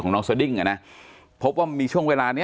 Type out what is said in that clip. น้องสดิ้งอ่ะนะพบว่ามีช่วงเวลานี้